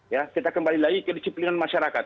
ya kita kembali lagi ke disiplinan masyarakat